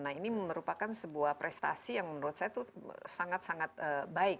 nah ini merupakan sebuah prestasi yang menurut saya itu sangat sangat baik